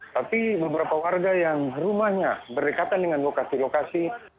tapi beberapa warga yang rumahnya berdekatan dengan lokasi lokasi